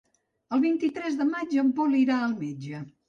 El vint-i-tres de maig en Pol irà al metge.